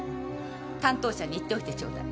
担当者に言っておいてちょうだい。